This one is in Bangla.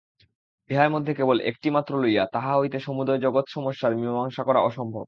ইহার মধ্যে কেবল একটি মাত্র লইয়া তাহা হইতে সমুদয় জগৎ-সমস্যার মীমাংসা করা অসম্ভব।